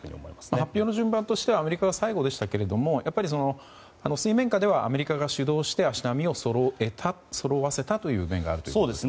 発表の順番としてはアメリカが最後でしたけども水面下ではアメリカが主導して足並みをそろわせたという面があるんですか？